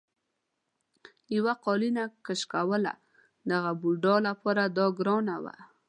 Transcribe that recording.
یوه قالینه کشوله د هغه بوډا لپاره دا ګرانه وه.